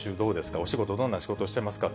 お仕事、どんなお仕事してますか？